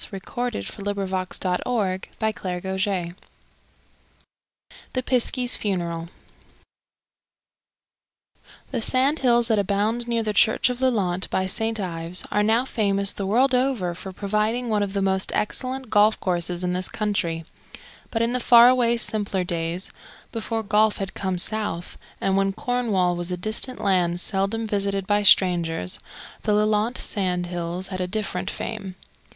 [Illustration: The Seven Stones] THE PISKIE'S FUNERAL The sand hills that abound near the church of Lelant, by St. Ives, are now famous the world over for providing one of the most excellent golf courses in this country. But in the far away simpler days, before golf had come south, and when Cornwall was a distant land seldom visited by strangers, the Lelant sand hills had a different fame.